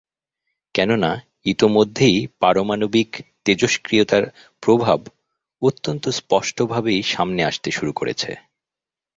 কেননা ইতোমধ্যেই পারমাণবিক তেজস্ক্রিয়তার প্রভাব অত্যন্ত স্পষ্টভাবেই সামনে আসতে শুরু করেছে।